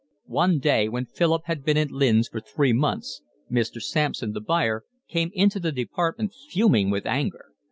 One day when Philip had been at Lynn's for three months, Mr. Sampson, the buyer, came into the department, fuming with anger.